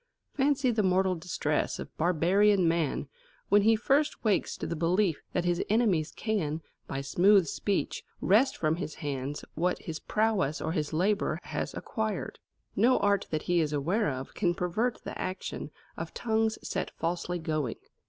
Fancy the mortal distress of barbarian man when he first wakes to the belief that his enemies can, by smooth speech, wrest from his hands what his prowess or his labour has acquired. No art that he is aware of can pervert the action of tongues set falsely going.